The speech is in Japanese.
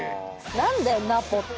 何だよ「ナポ」って。